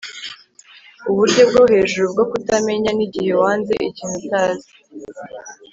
uburyo bwo hejuru bwo kutamenya ni igihe wanze ikintu utazi